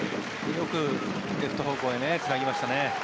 よくレフト方向へつなぎましたね。